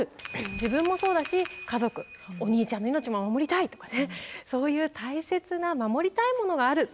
自分もそうだし家族お兄ちゃんの命も守りたいとかねそういう大切な守りたいものがある。